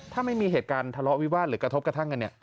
ถ้าไม่มีเหตุการณ์ทะเลาะวิวาสหรือกระทบกระทั่งกันเนี่ย